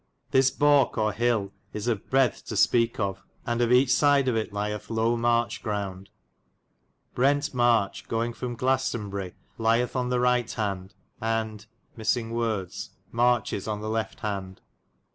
This balke or hille is of breadthe to speke of, and of eche syde of it lyethe low marche ground. Brent Merche goynge from Glassenbyri lyethe on the right hand, and ... marchis on the left hand.